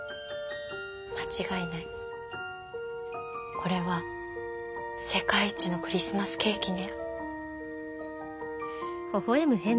これは世界一のクリスマスケーキね。